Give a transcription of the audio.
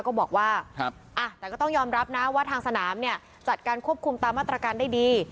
ก็บอกว่าแต่ก็ต้องยอมรับนะว่าทางสนามเนี่ยจัดการควบคุมตามมาตรการได้ดี